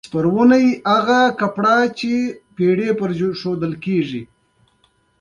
نو اوس د فيوز مزي د سوېچبورډ له يوه سوېچ سره هم نښلوو.